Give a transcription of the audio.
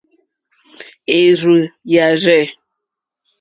Érzù jârzɛ̂.